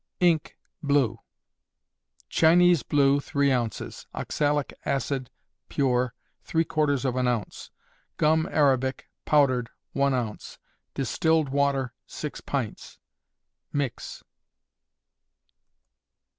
Ink, Blue. Chinese blue, three ounces; oxalic acid, (pure,) three quarters of an ounce; gum arabic, powdered, one ounce; distilled water, six pints. Mix.